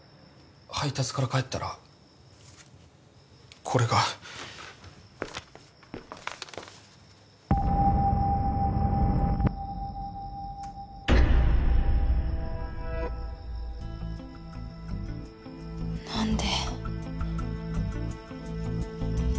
配達から帰ったらこれが何で？